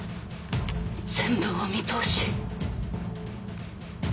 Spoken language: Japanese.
全部お見通し。